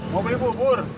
mau beli bu pur